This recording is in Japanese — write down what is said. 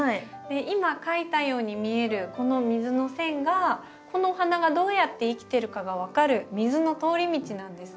今描いたように見えるこの水の線がこのお花がどうやって生きてるかが分かる水の通り道なんですね。